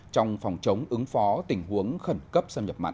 trong phòng chống ứng phó tình huống khẩn cấp xâm nhập mặn